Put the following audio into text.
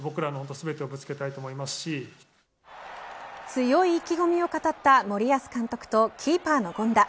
強い意気込みを語った森保監督とキーパーの権田。